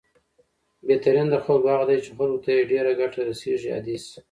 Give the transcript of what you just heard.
بهترین د خلکو هغه دی، چې خلکو ته یې ډېره ګټه رسېږي، حدیث